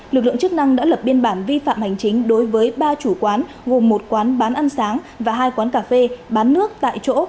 lực lượng chức năng đã lập biên bản vi phạm hành chính đối với ba chủ quán gồm một quán bán ăn sáng và hai quán cà phê bán nước tại chỗ